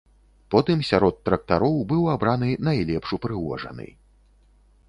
Потым сярод трактароў быў абраны найлепш упрыгожаны.